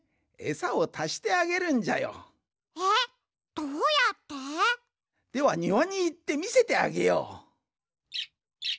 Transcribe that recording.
どうやって？ではにわにいってみせてあげよう。